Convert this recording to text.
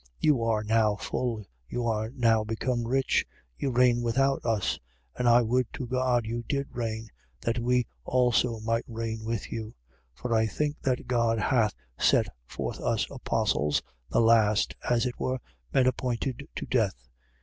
4:8. You are now full: you are now become rich: you reign without us; and I would to God you did reign, that we also might reign with you. 4:9. For I think that God hath set forth us apostles, the last, as it were men appointed to death.